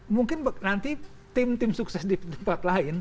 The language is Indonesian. mungkin nanti tim tim sukses di tempat lain